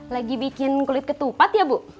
lagi bikin kulit ketupat